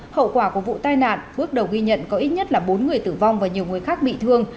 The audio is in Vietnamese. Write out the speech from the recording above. hậu quả của vụ tai nạn bước đầu ghi nhận có ít nhất là bốn người tử vong và nhiều người khác bị thương